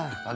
gak usah d